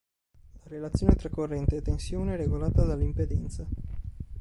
La relazione tra corrente e tensione è regolata dall'impedenza.